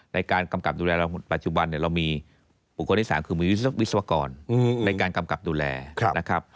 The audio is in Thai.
กำกับดูแลเราปัจจุบันเนี่ยเรามีบุคคลที่๓คือมีวิศวกรในการกำกับดูแลนะครับ